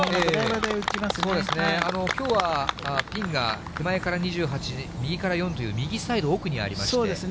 きょうはピンが手前から２８、右から４０右サイド奥にありまして。